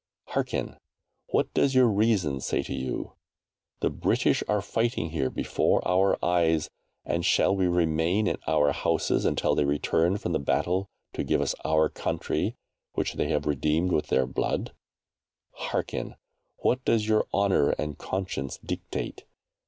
Hearken! What does your reason say to you? The British are fighting here before our eyes, and shall we remain in our houses until they return from the battle to give us our country which they have redeemed with their blood? Hearken! What does your honour and conscience dictate?